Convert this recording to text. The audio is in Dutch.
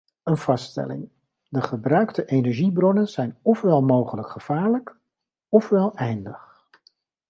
Een vaststelling: de gebruikte energiebronnen zijn ofwel mogelijk gevaarlijk ofwel eindig.